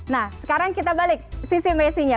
nah sekarang kita balik sisi messi nya